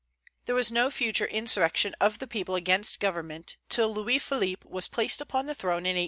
There was no future insurrection of the people against government till Louis Philippe was placed upon the throne in 1830.